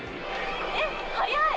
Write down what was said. えっ、速い。